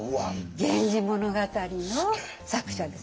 「源氏物語」の作者です。